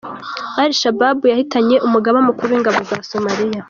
AliShababu yahitanye umugaba mukuru w’ingabo za somaliya